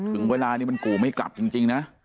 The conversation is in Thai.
ถึงเวลานี้มันกู่ไม่กลับจริงนะ